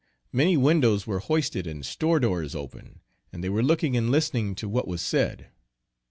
Many windows were hoisted and store doors open, and they were looking and listening to what was said.